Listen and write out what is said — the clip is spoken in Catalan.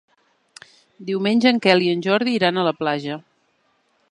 Diumenge en Quel i en Jordi iran a la platja.